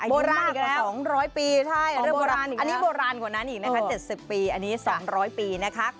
บ่รานอีกแล้วอันนี้บ่รานกว่านั้นอีก๗๐ปีอันนี้๒๐๐ปี